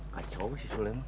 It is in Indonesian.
kacau si sule mah